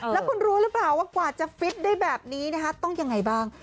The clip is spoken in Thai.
แล้วคุณรู้หรือเปล่าว่ากว่าจะฟิตได้แบบนี้นะคะต้องยังไงบ้าง